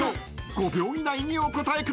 ［５秒以内にお答えください］